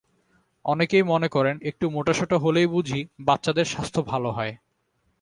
অনেকেই মনে করেন, একটু মোটাসোটা হলেই বুঝি বাচ্চাদের স্বাস্থ্য ভালো হয়।